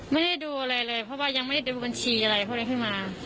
ไม่ได้ดูอะไรเลยเพราะว่ายังไม่ได้ดูบัญชีอะไรพวกนี้ขึ้นมา